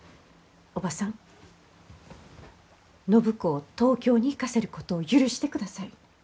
おばさん暢子を東京に行かせることを許してください。